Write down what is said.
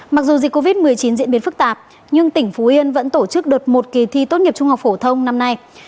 mặc dù dịch covid một mươi chín diễn biến phức tạp nhưng tỉnh phú yên vẫn tổ chức đợt một kỳ thi tốt nghiệp trung học phổ thông năm nay